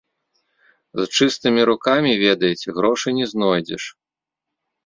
З чыстымі рукамі, ведаеце, грошы не знойдзеш.